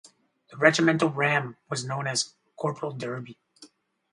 The regimental ram was known as "Corporal Derby".